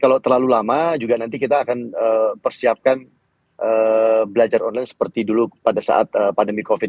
kalau terlalu lama juga nanti kita akan persiapkan belajar online seperti dulu pada saat pandemi covid sembilan belas